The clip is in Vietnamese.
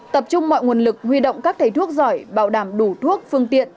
tập trung mọi nguồn lực huy động các thầy thuốc giỏi bảo đảm đủ thuốc phương tiện